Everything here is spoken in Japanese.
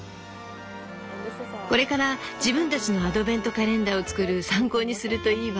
これから自分たちのアドベントカレンダーを作る参考にするといいわ。